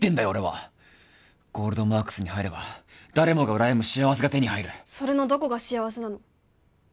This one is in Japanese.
俺はゴールドマークスに入れば誰もが羨む幸せが手に入るそれのどこが幸せなの？